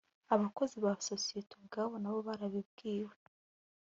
abakozi ba sosiyete ubwabo nabo barabibwiwe